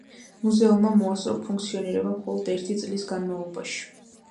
მუზეუმმა მოასწრო ფუნქციონირება მხოლოდ ერთი წლის განმავლობაში.